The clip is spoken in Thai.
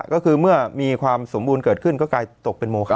ก็คือเมื่อมีความสมบูรณ์เกิดขึ้นก็กลายตกเป็นโมคะ